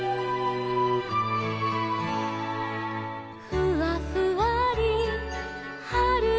「ふわふわりはるのかぜ」